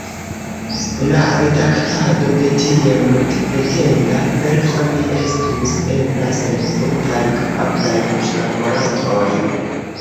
La redaktado de tiel multpretenda verko ne estus ebla sen multaj kapablaj kunlaborantoj.